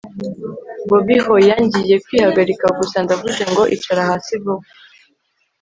bobi hoya ngiye kwihagarika gusa! ndavuze ngo icara hasi vuba